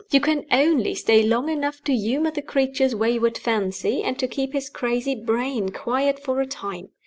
You can only stay long enough to humor the creature's wayward fancy, and to keep his crazy brain quiet for a time.